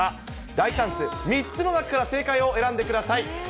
大チャンス、３つの中から正解を選んでください。